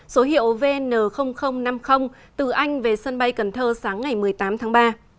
số hiệu vn năm mươi từ anh về sân bay cần thơ sáng ngày một mươi tám tháng ba